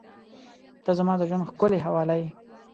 • ته زما د ژونده ښکلي حواله یې.